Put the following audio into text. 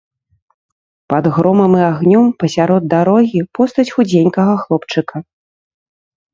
Пад громам і агнём, пасярод дарогі, постаць худзенькага хлопчыка.